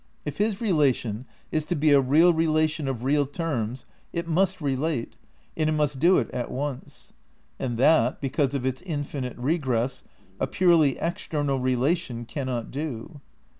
If his relation is to be a real relation of real terms it must relate, and it must do it at once. And that, because of its infinite regress, a purely ex ternal relation cannot do.